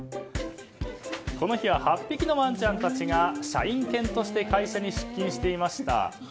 この日は８匹のワンちゃんたちが社員犬として会社に出勤していました。